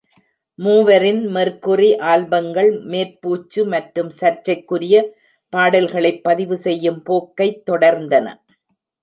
மூவரின் Mercury ஆல்பங்கள் மேற்பூச்சு மற்றும் சர்ச்சைக்குரிய பாடல்களைப் பதிவுசெய்யும் போக்கைத் தொடர்ந்தன.